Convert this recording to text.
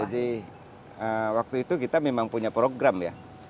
jadi waktu itu kita memang punya program ya